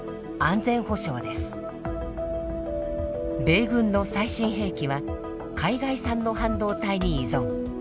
米軍の最新兵器は海外産の半導体に依存。